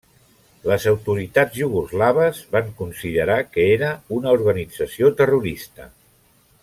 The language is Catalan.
Les autoritats iugoslaves van considerar que era una organització terrorista.